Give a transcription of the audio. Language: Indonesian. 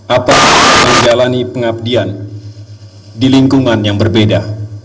apakah saya akan menjalani pengabdian di lingkungan yang berbeda